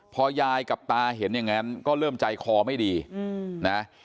พอยายกับตาเห็นอย่างนั้นก็เริ่มใจคอไม่ดีนะ